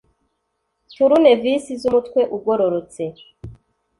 turunevisi z umutwe ugororotse